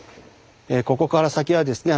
ここから先はですね